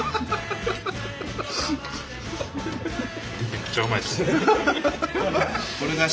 めっちゃうまいっす。